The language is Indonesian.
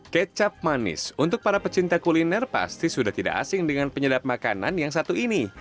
kecap manis untuk para pecinta kuliner pasti sudah tidak asing dengan penyedap makanan yang satu ini